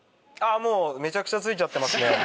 ああもうめちゃくちゃ付いちゃってますね。